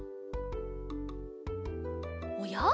おや？